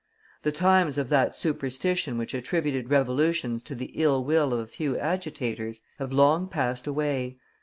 The times of that superstition which attributed revolutions to the ill will of a few agitators have long passed away.